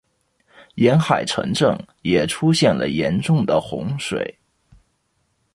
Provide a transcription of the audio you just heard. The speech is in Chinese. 沿海城镇也出现了严重的洪水。